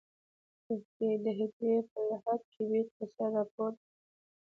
په کې د هديرې په لحد کې بېرته سر راپورته کړ.